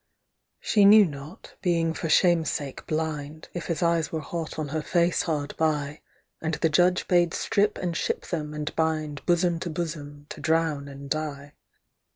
She knew not, being for shame's sake blind, If his eyes were hot on her face hard by. And the judge bade strip and ship them, and bind Bosom to bosom, to drown and die.